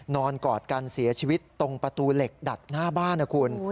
กอดกันเสียชีวิตตรงประตูเหล็กดัดหน้าบ้านนะคุณ